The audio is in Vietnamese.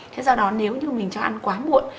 thế do đó nếu như mình cho ăn quá muộn